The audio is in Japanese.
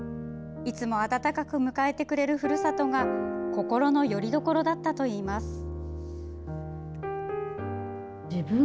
いつも温かく迎えてくれるふるさとが心のよりどころだったといいます。